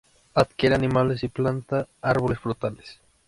Adquiere animales y planta árboles frutales.